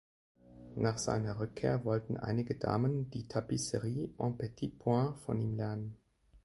Nach seiner Rückkehr wollten einige Damen die "Tapisserie en petits points" von ihm lernen.